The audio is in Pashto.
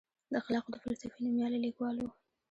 د اخلاقو د فلسفې نوميالی لیکوال و.